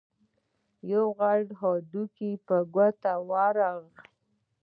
يو غټ هډوکی په ګوتو ورغی.